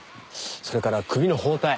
それから首の包帯。